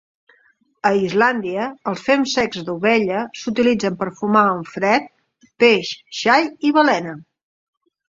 A Islàndia, els fems secs d'ovella s'utilitzen per fumar en fred peix, xai i balena.